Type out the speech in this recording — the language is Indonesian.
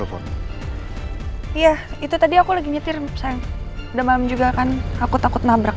lu mau aku masakin apa